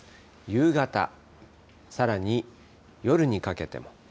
夕方、さらに夜にかけても。